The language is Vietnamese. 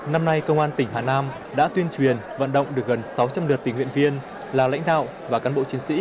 năm nay công an tỉnh hà nam đã tuyên truyền vận động được gần sáu trăm linh lượt tình nguyện viên là lãnh đạo và cán bộ chiến sĩ